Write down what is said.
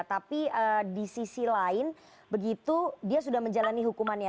tapi di sisi lain begitu dia sudah menjalani hukumannya